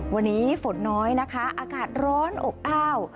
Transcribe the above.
วันนี้ฝนน้อยนะคะอากาศร้อนอบอ้าว